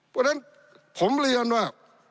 เพราะฉะนั้นผมเรียนว่า